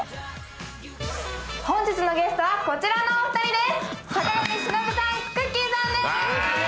本日のゲストはこちらのお二人です。